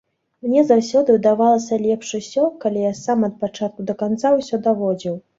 Мне заўсёды ўдавалася лепш усё, калі я сам ад пачатку да канца ўсё даводзіў.